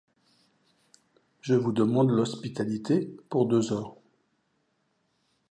Je vous demande l’hospitalité pour deux heures.